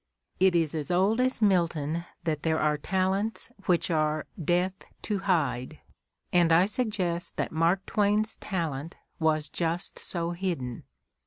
It is as old as Milton that there are talents which are "death to hide," and I suggest that Mark Twain's "talent" was just so hidden.